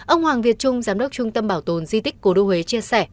ông hoàng việt trung giám đốc trung tâm bảo tồn di tích cổ đô huế chia sẻ